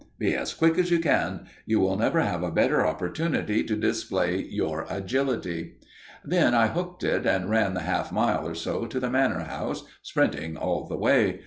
Be as quick as you can. You will never have a better opportunity to display your agility.' "Then I hooked it and ran the half mile or so to the Manor House, sprinting all the way.